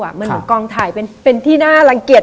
เหมือนกองถ่ายเป็นที่น่ารังเกียจ